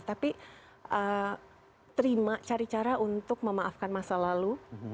tapi terima cari cara untuk memaafkan masa lalu